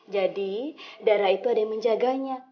jadi dara itu ada yang menjaganya